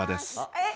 えっ！